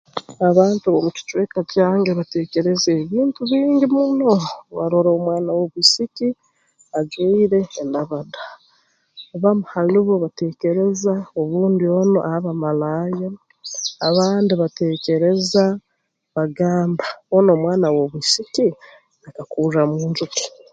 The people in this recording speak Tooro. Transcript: Abantu ab'omu kicweka kyange bateekereza ebintu bingi muno obu barora omwana w'obwisiki ajwaire endabada abamu hali bo bateekereza obundi onu aba malaaya abandi bateekereza bagamba onu omwana w'obwisiki akakurra mu nju ki